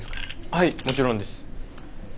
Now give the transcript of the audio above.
はいもちろんです。